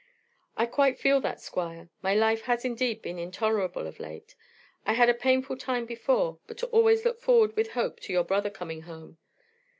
"I quite feel that, Squire; my life has indeed been intolerable of late. I had a painful time before, but always looked forward with hope to your brother coming home.